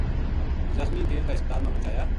زخمی کیل کا ہسپتال ما پوہچایا